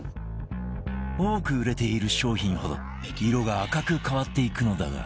多く売れている商品ほど色が赤く変わっていくのだが